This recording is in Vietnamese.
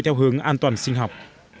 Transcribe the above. theo hướng an toàn sinh học